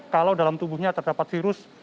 kalau dalam tubuhnya terdapat virus